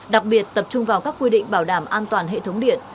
đặc biệt tập trung vào các quy định bảo đảm an toàn hệ thống điện